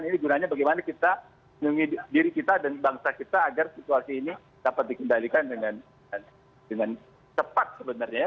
ini gunanya bagaimana kita melindungi diri kita dan bangsa kita agar situasi ini dapat dikendalikan dengan cepat sebenarnya ya